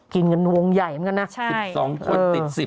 กินกันวงใหญ่เหมือนกันนะ๑๒คนติด๑๐